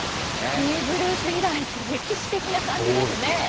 ベーブ・ルース以来って歴史的な感じですね。